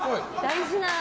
大事な。